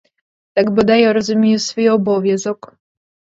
Так бодай я розумію свій обов'язок.